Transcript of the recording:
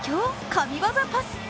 神業パス！